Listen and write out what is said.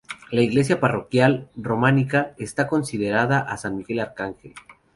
La iglesia parroquial, románica, está consagrada a San Miguel Arcángel.